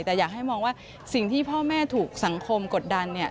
แต่อยากให้มองว่าสิ่งที่พ่อแม่ถูกสังคมกดดัน